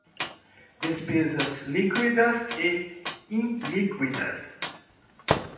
Despesas líquidas e ilíquidas